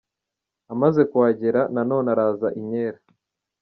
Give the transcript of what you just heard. Amaze kuhagera, na none araza inkera.